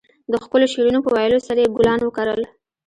د ښکلو شعرونو په ويلو سره يې ګلان وکرل.